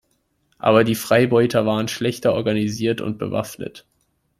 Aber die Freibeuter waren schlechter organisiert und bewaffnet.